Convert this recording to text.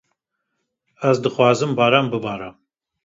Ez dixwazim baran bibare